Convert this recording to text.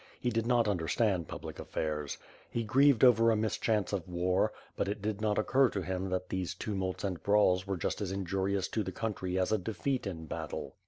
He did not un derstand public affairs. He grieved over a mischance of war, but it did not occur to him that these tumults and brawls were just as injurious to the country as a defeat in battle.